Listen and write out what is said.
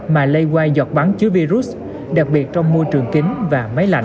mà lây quai giọt bắn chứa virus đặc biệt trong môi trường kính và máy lạnh